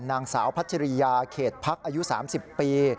นางสาวพัชริยาเขตพักอายุ๓๐ปี